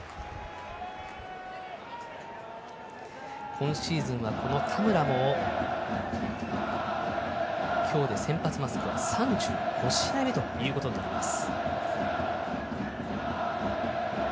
今シーズンは田村も今日で先発マスクは３５試合目ということになります。